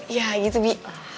iya gitu bi